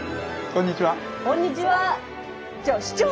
こんにちは！